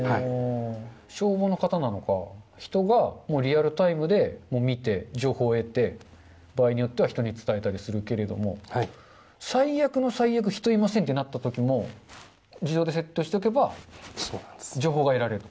消防の方なのか、人がリアルタイムで見て、情報を得て、場合によっては人に伝えたりするけれども、最悪の最悪、人いませんってなったときも、自動でセットしておけば情報が得られると。